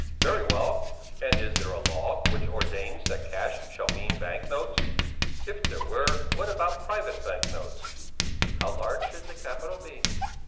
Very well! And is there a law which ordains that cash shall mean bank notes? If there were, what about private bank notes?" "How large should the capital be?"